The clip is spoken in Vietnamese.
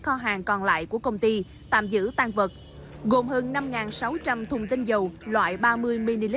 kho hàng còn lại của công ty tạm giữ tăng vật gồm hơn năm sáu trăm linh thùng tinh dầu loại ba mươi ml